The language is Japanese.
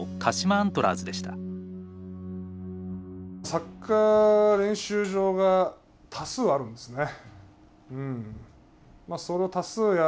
サッカー練習場が多数あるんですね。